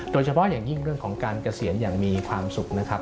โดยเฉพาะอย่างยิ่งเรื่องของการเกษียณอย่างมีความสุขนะครับ